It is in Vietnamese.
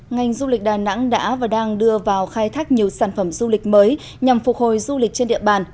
ngành du lịch đà nẵng đã và đang đưa vào khai thác nhiều sản phẩm du lịch mới nhằm phục hồi du lịch trên địa bàn